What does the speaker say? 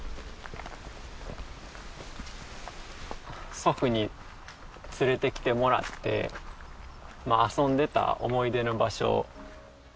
祖父に連れてきてもらって遊んでた思い出の場所